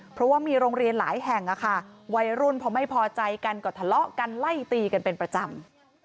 เพราะว่ามีโรงเรียนหลายแห่งวัยรุ่นพอไม่พอใจกันก็ทะเลาะกันไล่ตีกันเป็นประจำ